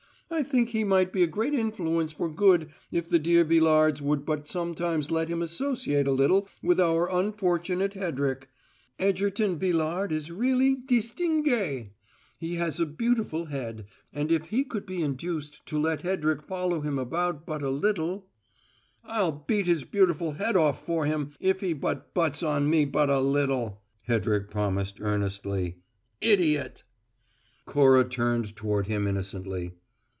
I think he might be a great influence for good if the dear Villards would but sometimes let him associate a little with our unfortunate Hedrick. Egerton Villard is really distingue; he has a beautiful head; and if he could be induced but to let Hedrick follow him about but a little " "I'll beat his beautiful head off for him if he but butts in on me but a little!" Hedrick promised earnestly. "Idiot!" Cora turned toward him innocently.